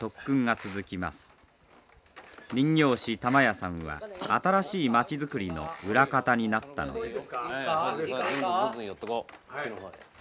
人形師玉屋さんは新しい町づくりの裏方になったのです。